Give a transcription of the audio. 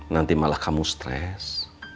nanti malah kamu stres